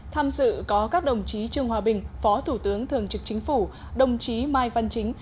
tham dự có các đồng chí trương hòa bình phó thủ tướng thường trực chính phủ đồng chí mai văn chính